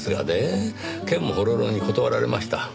けんもほろろに断られました。